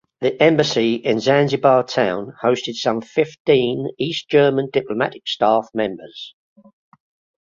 The embassy in Zanzibar Town hosted some fifteen East German diplomatic staff members.